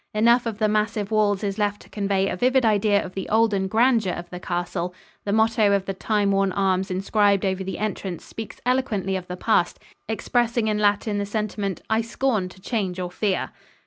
Enough of the massive walls is left to convey a vivid idea of the olden grandeur of the castle. The motto of the time worn arms inscribed over the entrance speaks eloquently of the past, expressing in Latin the sentiment, "I scorn to change or fear."